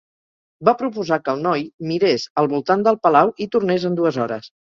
Va proposar que el noi mirés al volant del palau i tornés en dues hores.